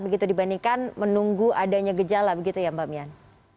begitu dibandingkan menunggu adanya gejala begitu ya mbak mian